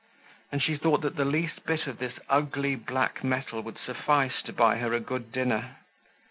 And she thought that the least bit of this ugly black metal would suffice to buy her a good dinner.